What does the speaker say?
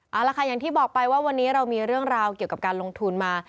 เอาละค่ะอย่างที่บอกไปว่าวันนี้เรามีเรื่องราวเกี่ยวกับการลงทุนมา